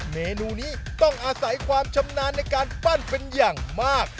เมนูนี้ต้องอาศัยความชำนาญในการปั้นเป็นอย่างมาก